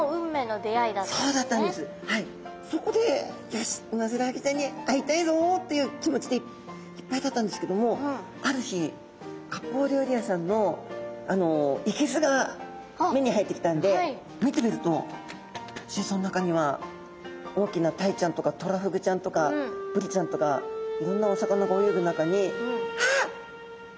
そこでよしウマヅラハギちゃんに会いたいぞっていうきもちでいっぱいだったんですけどもある日が目に入ってきたんで見てみるとすいそうの中には大きなタイちゃんとかトラフグちゃんとかブリちゃんとかいろんなお魚が泳ぐ中にあっいた！って。